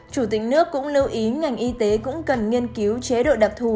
chủ tịch nước cũng lưu ý ngành y tế cũng cần nghiên cứu chế độ đặc thù